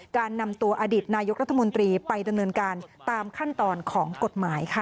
การนำตัวอดีตนายกรัฐมนตรีไปดำเนินการตามขั้นตอนของกฎหมายค่ะ